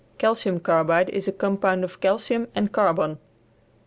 Calcium carbide is a compound of calcium and carbon.